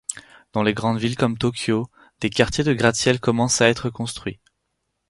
Dans les grandes villes comme Tokyo, des quartiers de gratte-ciels commencent à être construits.